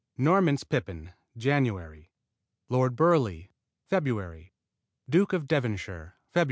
Norman's Pippin Jan. Lord Burghley Feb. Duke of Devonshire Feb.